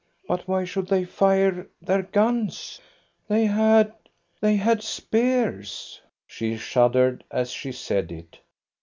"But why should they fire their guns? They had ... they had spears." She shuddered as she said it.